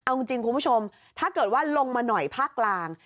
เอาจริงคุณผู้ชมถ้าเกิดว่าลงมาหน่อยภาคกลาง